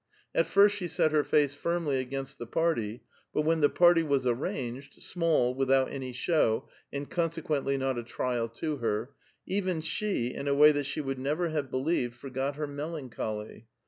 At first she set her face firmly against the party ; but when the party was arranged — small, without any show, and consequently not a trial to her — even she, in a way that she would never have believed, forgot her mel ancholy.